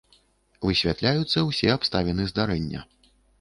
Высвятляюцца ўсе абставіны здарэння.